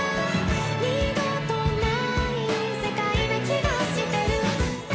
「二度とない世界な気がしてる」